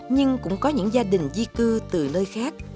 nhưng cũng có những gia đình di cư từ nơi khác